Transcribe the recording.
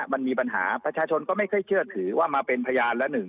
มันมีปัญหาประชาชนก็ไม่ค่อยเชื่อถือว่ามาเป็นพยานแล้วหนึ่ง